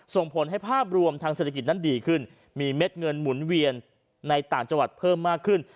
ส่งผลให้ภาพรวมทางเศรษฐกิจนั้นดีขึ้นมีเม็ดเงินหมุนเวียนในต่างจังหวัดเพิ่มมากขึ้น